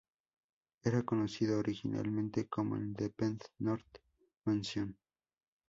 Era conocido originalmente como el "Independent North Mansion".